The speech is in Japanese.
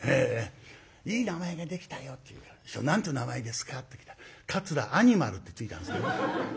「いい名前ができたよ」って言うから「師匠何ていう名前ですか？」って聞いたら桂アニマルって付いたんですよ。